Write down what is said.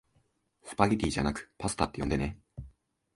スパゲティじゃなくパスタって呼んでね